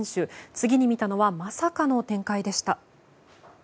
次に見たのはまさかの展開でした。